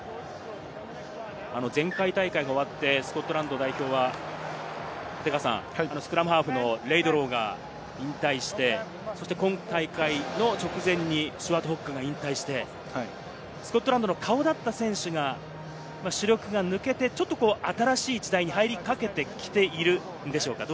前回大会が終わって、スコットランド代表はスクラムハーフのレイドローが引退して、今大会の直前にスチュアート・ホッグが引退して、スコットランドの顔だった選手が、主力が抜けて、ちょっと新しい時代に入りかけてきているんでしょうか？